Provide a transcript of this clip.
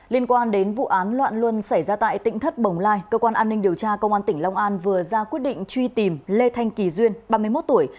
liên quan đến vụ án loạn luân xảy ra tại tỉnh thất bồng lai cơ quan an ninh điều tra công an tỉnh long an vừa ra quyết định truy tìm lê thanh kỳ duyên ba mươi một tuổi